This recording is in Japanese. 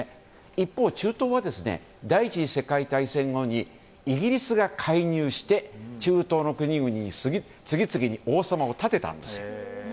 一方、中東は第１次世界大戦後にイギリスが介入して中東の国々に次々に王様を立てたんですよ。